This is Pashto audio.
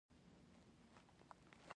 دا د هغه د ژوند په ټولو تجربو کې بې سارې وه.